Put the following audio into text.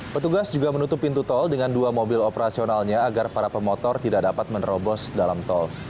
petugas juga menutup pintu tol dengan dua mobil operasionalnya agar para pemotor tidak dapat menerobos dalam tol